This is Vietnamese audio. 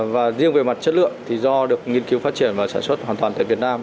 và riêng về mặt chất lượng thì do được nghiên cứu phát triển và sản xuất hoàn toàn tại việt nam